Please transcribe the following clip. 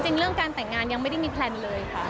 เรื่องการแต่งงานยังไม่ได้มีแพลนเลยค่ะ